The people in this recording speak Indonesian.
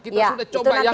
kita sudah coba yakinkan